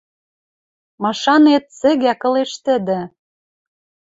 Машанет, цӹгӓк ылеш тӹдӹ